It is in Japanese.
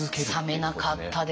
冷めなかったですね。